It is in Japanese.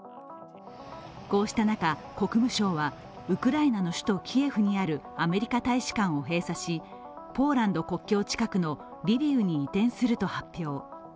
こうした中、国務省はウクライナの首都キエフにあるアメリカ大使館を閉鎖しポーランド国境近くのリビウに移転すると発表。